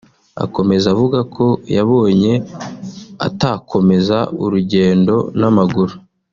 Akomeza avuga ko yabonye atakomeza urugendo n’amaguru